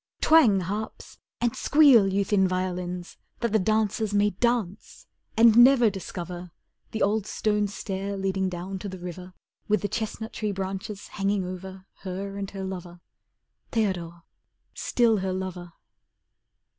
Twang harps, and squeal, you thin violins, That the dancers may dance, and never discover The old stone stair leading down to the river With the chestnut tree branches hanging over Her and her lover. Theodore, still her lover!